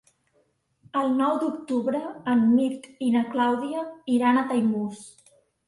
El nou d'octubre en Mirt i na Clàudia iran a Daimús.